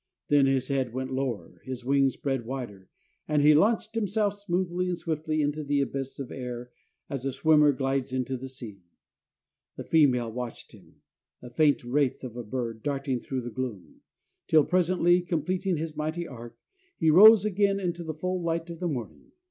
Then his head went lower, his wings spread wider, and he launched himself smoothly and swiftly into the abyss of air as a swimmer glides into the sea. The female watched him, a faint wraith of a bird darting through the gloom, till presently, completing his mighty arc, he rose again into the full light of the morning.